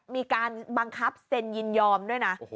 มีการบังคับเซ็นยินยอมด้วยนะ